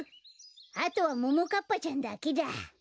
あとはももかっぱちゃんだけだ。